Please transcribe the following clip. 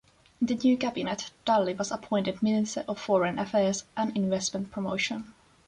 In the new cabinet Dalli was appointed Minister of Foreign Affairs and Investment Promotion.